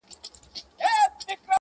تبه زما ده، د بدن شمه ستا ختلې ده.